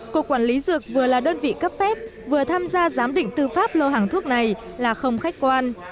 cục quản lý dược vừa là đơn vị cấp phép vừa tham gia giám định tư pháp lô hàng thuốc này là không khách quan